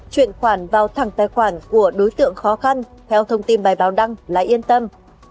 chuyển khoản vào thẳng tài khoản của đối tượng khó khăn theo thông tin bài báo đăng lại yên tâm